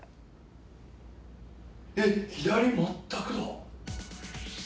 えっ左全くだ。